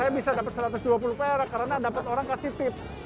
saya bisa dapat satu ratus dua puluh perak karena dapat orang kasih tip